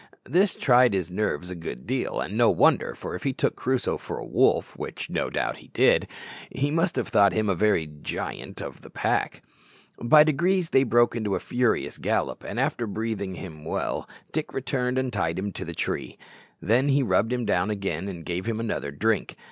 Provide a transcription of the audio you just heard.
This tried his nerves a good deal, and no wonder, for if he took Crusoe for a wolf, which no doubt he did, he must have thought him a very giant of the pack. By degrees they broke into a furious gallop, and after breathing him well, Dick returned and tied him to the tree. Then he rubbed him down again, and gave him another drink.